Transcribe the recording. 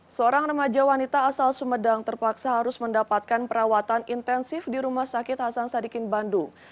seorang remaja wanita asal sumedang terpaksa harus mendapatkan perawatan intensif di rumah sakit hasan sadikin bandung